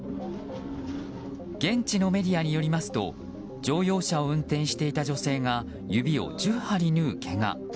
現地のメディアによりますと乗用車を運転していた女性が指を１０針縫うけが。